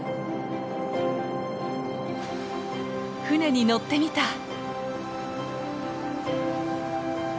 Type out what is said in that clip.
船に乗ってみた！